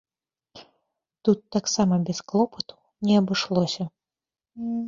Тут таксама без клопату не абышлося.